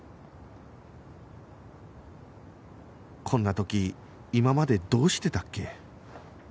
こんな時今までどうしてたっけ？